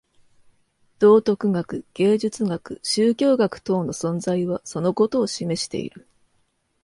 道徳学、芸術学、宗教学等の存在はそのことを示している。